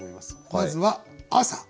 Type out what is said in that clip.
まずは「朝」。